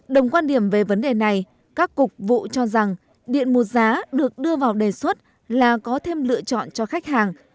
đồng quan điểm về vấn đề này các cục vụ cho rằng điện một giá được đưa vào đề xuất là có thêm lựa chọn cho khách hàng